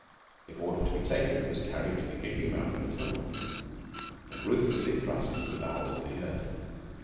If ordered to be taken, it was carried to the gaping mouth of the tunnel, and ruthlessly thrust into the bowels of the earth.